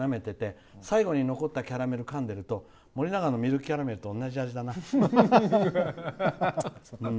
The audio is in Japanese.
最後、残ったキャラメルを食べてると森永のミルクキャラメルと同じ味だなって。